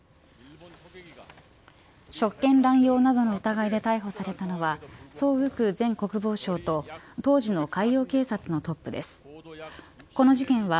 職権乱用などの疑いで逮捕されたのは徐旭前国防相と当時の海洋警察のトップです。